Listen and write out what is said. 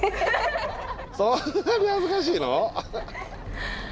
そんなに恥ずかしいの？